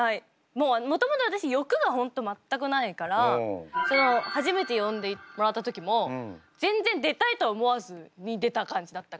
もともと私欲が本当全くないから初めて呼んでもらった時も全然出たいと思わずに出た感じだったから。